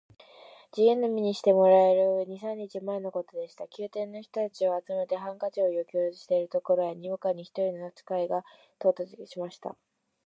自由の身にしてもらえる二三日前のことでした。宮廷の人たちを集めて、ハンカチの余興をしているところへ、にわかに一人の使が到着しました。